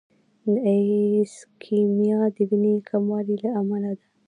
د ایسکیمیا د وینې کموالي له امله ده.